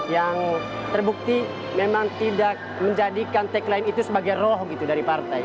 yang terbukti memang tidak menjadikan tagline itu sebagai roh gitu dari partai